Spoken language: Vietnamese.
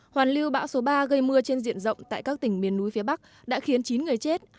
hoàn lưu bão số ba gây mưa trên diện rộng tại các tỉnh miền núi phía bắc đã khiến chín người chết